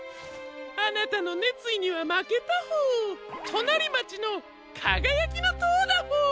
あなたのねついにはまけたホォー。となりまちの「かがやきのとう」だホォー。